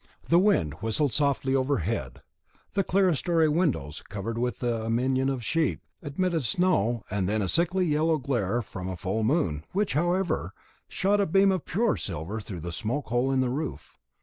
The wind whistled softly overhead. The clerestory windows, covered with the amnion of sheep, admitted now and then a sickly yellow glare from the full moon, which, however, shot a beam of pure silver through the smoke hole in the roof.